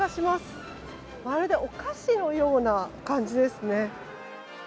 まるでお菓子のような感じですね。